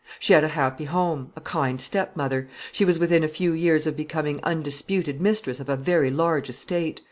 She had a happy home, a kind stepmother. She was within a few years of becoming undisputed mistress of a very large estate.